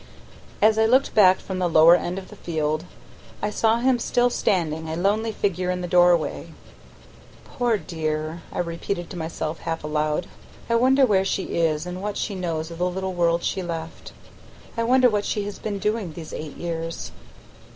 As I looked back from the lower end of the field I saw him still standing, a lonely figure in the doorway. "Poor dear," I repeated to myself half aloud; "I wonder where she is and what she knows of the little world she left. I wonder what she has been doing these eight years!"